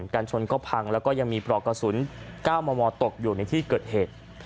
การชนพังแล้วพรอกระสุน๙มตกอยู่ที่เกิดเหตุ